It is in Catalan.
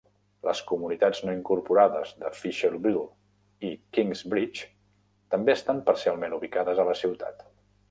Les comunitats no incorporades de Fisherville i Kingsbridge també estan parcialment ubicades a la ciutat.